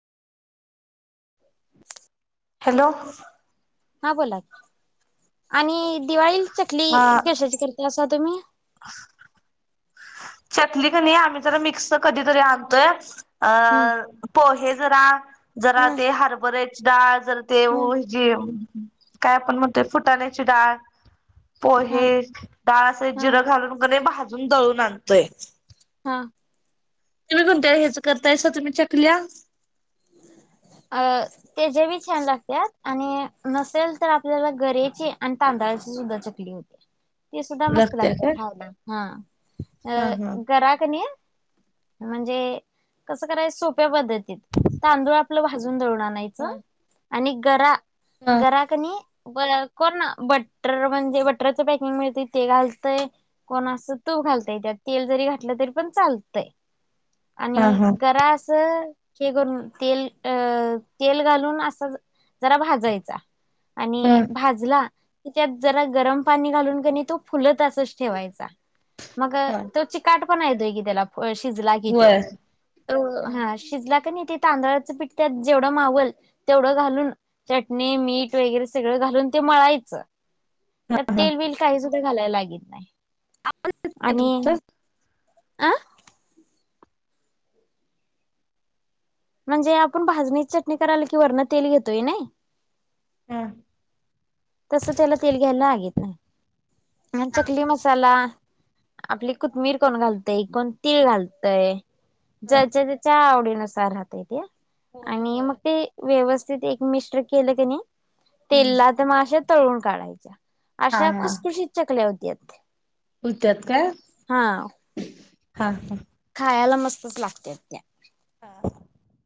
[inaudible] hello हा बोला की आणि दिवाळीची अ चकली कशाची करतासा तुम्ही चकली कनी आम्ही जरा मिक्स कधीतरी आणतोय हम्म अ पोहे जरा जरा हम्म ते हरभऱ्याची डाळ जरा ते हम्म हेजी काय आपण म्हणतोय फुटाण्याची डाळ हा पोहे, डाळ अस हा जिरं घालून कनय भाजून दळून आणतोय हा तुम्ही कोणत्या ह्याच करतायसा तुम्ही चकल्या अ त्या ज बी छान लागत्यात आणि नसेल तर आपल्याला गऱ्याची आणि तांदळा सुद्धा चकली होत्या ते सुद्धा मस्त लागत्या खायला हा हा हा अ गरा कनी म्हणजे कस कराय सोप्या पद्धतीत तांदूळ आपलं भाजून दळून आणायचं आणि गरा हा गरा कनी ब कोण बटर म्हणजे बटरच पॅकिंग मिळतंय ते घालतय कोण अस तू घालतय त्यात तेल जरी घातलं तरी पण चालतंय [inaudible] आणि गरा असं हे करून तेल अ तेल घालून असा ज जरा भाजायचा हा आणि भाजला की त्यात जरा गरम पाणी घालून कणी तो फुलत असच ठेवायचा मग हा तो चीकाटपना येतोय की त्याला शिजला कि त्यो होय हा शिजला कणी ते तांदळाच पीठ त्यात जेवढ मावल तेवढं घालून चटणी, मीठ वगैरे सगळं घालून ते मळायच त्यात हा तेल बील काही सुद्धा घालाय लागित नाई तुमचं आणि अ म्हणजे आपण भाजणी चटणी करायल की वरण तेल घेतोय नई ह तस त्याला तेल घ्याय लागीत नाही अन् चकली मसाला आपली कुतमीर कोण घालतय कोण तीळ घालतय ज्याच्या त्याच्या आवडीनुसार राहतय ते होय आणि होय मग ते व्यवस् तीत एकमिश्र केल कणी तेलात तळून काढायच्या अशा खुसखुशीत चकल्या हुत्यात हुत्यात काय हा, हा खायाला मस्तच लागत्यात त्या हा